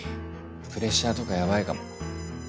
プレッシャーとかやばいかも。